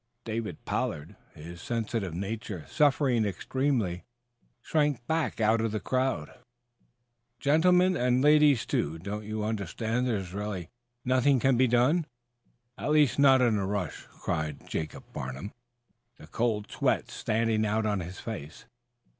David Pollard, his sensitive nature suffering extremely, shrank back out of the crowd. "Gentlemen and ladies, too don't you understand that nothing really can be done at least not in a rush?" cried Jacob Farnum, the cold sweat standing out on his face.